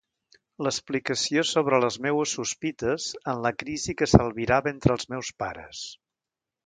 L'explicació sobre les meues sospites en la crisi que s'albirava entre els meus pares.